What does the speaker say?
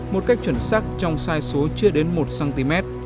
một cách chuẩn xác trong sai số chưa đến một cm